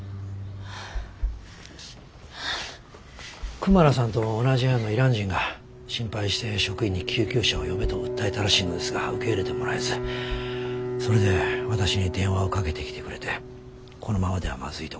クマラさんと同じ部屋のイラン人が心配して職員に救急車を呼べと訴えたらしいのですが受け入れてもらえずそれで私に電話をかけてきてくれてこのままではまずいと思い